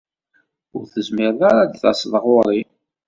Ur tezmireḍ ara ad d-taseḍ ɣur-i.